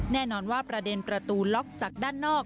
แน่นอนว่าประเด็นประตูล็อกจากด้านนอก